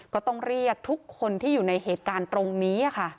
ก็ต้องเรียกทุกคนที่อยู่ในเหตุการณ์ตรงนี้ค่ะ